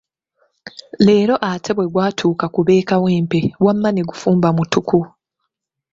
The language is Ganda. Leero ate bwe gwatuuka ku b'e Kawempe wamma ne kifumba mutuku.